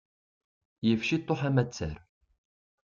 Yif ciṭuḥ amattar.